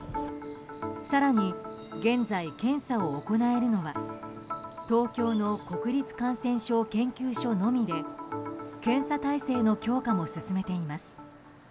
更に現在、検査を行えるのは東京の国立感染症研究所のみで検査体制の強化も進めています。